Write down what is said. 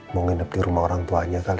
mau nginep di rumah orang tuanya kan